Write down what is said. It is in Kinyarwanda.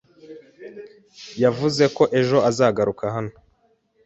Yavuze ko ejo azagaruka hano.